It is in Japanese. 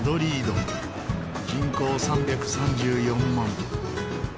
人口３３４万。